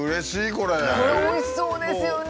これおいしそうですよね！